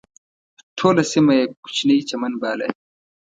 ټوله سیمه یې کوچنی چمن باله.